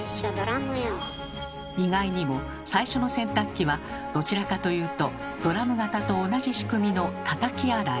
意外にも最初の洗濯機はどちらかというとドラム型と同じ仕組みの「たたき洗い」。